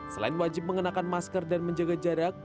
selain wajib mengenakan masker dan menjaga jarak